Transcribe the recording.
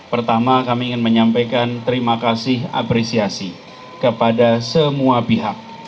pertama kami ingin menyampaikan terima kasih apresiasi kepada semua pihak